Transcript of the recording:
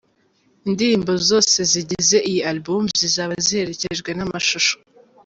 Indirimbo zose zigize iyi album, zizaba ziherekejwe n’amashusho.